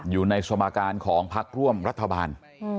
อยู่ในสมการของพักร่วมรัฐบาล